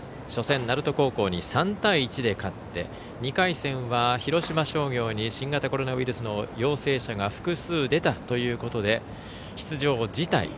初戦、鳴門高校に３対１で勝って２回戦は広島商業に新型コロナウイルスの陽性者が複数出たということで出場を辞退。